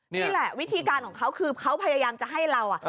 นี่แหละวิธีการของเขาคือเขาพยายามจะให้เรา